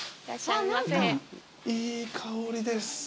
いい香りです。